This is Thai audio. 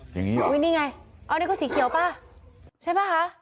อย่างนี้เหรออุ้ยนี่ไงเอานี่ก็สีเขียวป่ะใช่ป่ะคะ